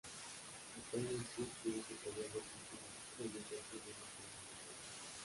Actualmente tiene su taller de pintura e ilustración en este mismo pueblo.